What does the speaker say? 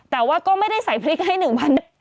แต่ว่าก็ไม่ได้ใส่พริกให้หนึ่งวัน